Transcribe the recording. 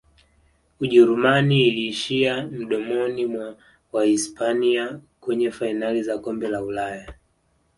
ujerumani iliishia mdomoni mwa wahispania kwenye fainali za kombe la ulaya